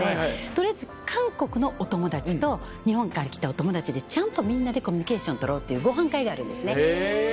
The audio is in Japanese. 取りあえず韓国のお友達と日本から来たお友達でちゃんとみんなでコミュニケーション取ろうっていうごはん会があるんですね。